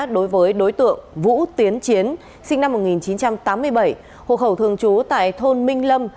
đối với đối tượng vũ tiến chiến sinh năm một nghìn chín trăm tám mươi bảy hộ khẩu thường trú tại thôn minh lâm